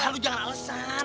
ah lo jangan alesan